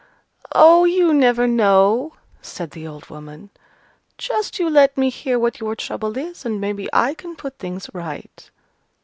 "Oh, you never know," said the old woman. "Just you let me hear what your trouble is, and maybe I can put things right."